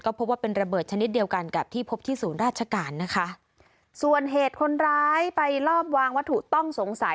พบว่าเป็นระเบิดชนิดเดียวกันกับที่พบที่ศูนย์ราชการนะคะส่วนเหตุคนร้ายไปลอบวางวัตถุต้องสงสัย